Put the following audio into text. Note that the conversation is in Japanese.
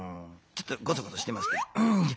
ちょっとゴソゴソしてますけど。